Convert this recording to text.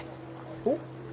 おっ？